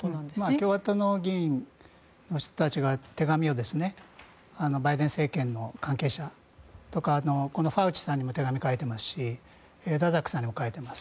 共和党の議員の人たちが手紙をバイデン政権の関係者とかこのファウチさんにも手紙を書いていますしダザックさんにも書いています。